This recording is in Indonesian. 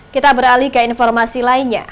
kita beralih ke informasi lainnya